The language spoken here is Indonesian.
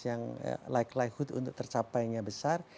yang likelihood untuk tercapainya besar